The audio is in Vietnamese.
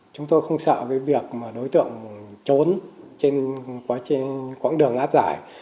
chúng tôi không sợ việc đối tượng trốn trên quãng đường áp giải